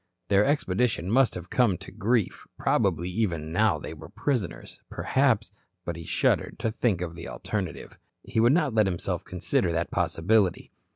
Their expedition must have come to grief, probably even now they were prisoners, perhaps But he shuddered to think of the alternative. He would not let himself consider that possibility.